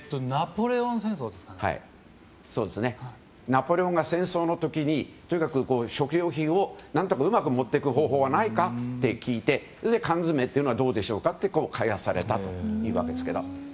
ナポレオンが戦争の時に食料品をうまく持っていく方法がないかと聞いて、缶詰というのはどうでしょうかと開発されたというわけですが。